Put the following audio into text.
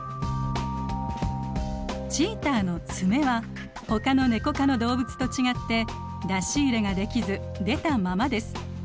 チーターの爪はほかのネコ科の動物と違って出し入れができず出たままです。